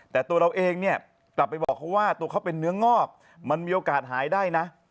แต่ตัวเราเองเนี่ยกลับไปบอกเขาว่าตัวเขาเป็นเนื้องอกมันมีโอกาสหายได้นะ